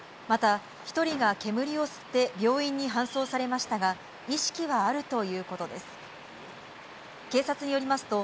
また１人が煙を吸って病院に搬送されましたが、意識はあるということです。